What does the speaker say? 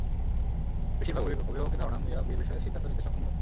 বেশির ভাগ অভিভাবকের ধারণা, মেয়েরা বিয়ের বিষয়ে সিদ্ধান্ত নিতে সক্ষম নয়।